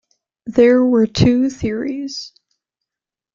There were two theories.